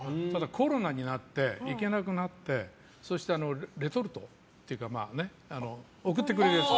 コロナになってただ、行けなくなってそしてレトルトっていうか送ってくれるやつ。